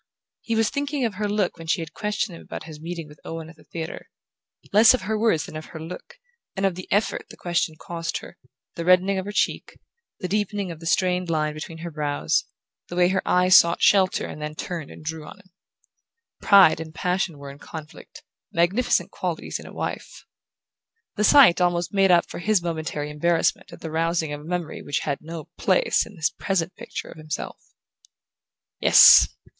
He was thinking of her look when she had questioned him about his meeting with Owen at the theatre: less of her words than of her look, and of the effort the question cost her: the reddening of her cheek, the deepening of the strained line between her brows, the way her eyes sought shelter and then turned and drew on him. Pride and passion were in the conflict magnificent qualities in a wife! The sight almost made up for his momentary embarrassment at the rousing of a memory which had no place in his present picture of himself. Yes!